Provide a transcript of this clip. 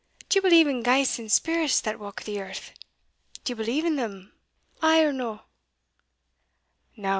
D'ye believe in ghaists and spirits that walk the earth? d'ye believe in them, ay or no?"